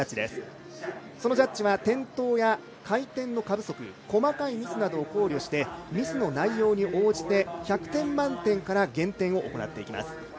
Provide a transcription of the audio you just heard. そのジャッジは転倒や回転の過不足細かいミスなどを考慮してミスの内容に応じて１００点満点から減点を行っていきます。